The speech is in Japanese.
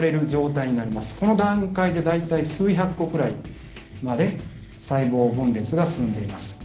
この段階で大体数百個くらいまで細胞分裂が進んでいます。